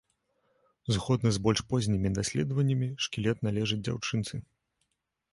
Згодна з больш познімі даследаваннямі, шкілет належыць дзяўчынцы.